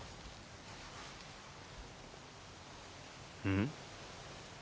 うん？